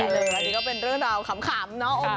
อันนี้ก็เป็นเรื่องราวขำเนาะ